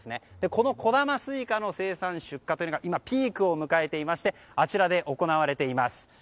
このこだますいかの生産・出荷が今、ピークを迎えていましてあちらで行われています。